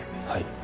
はい。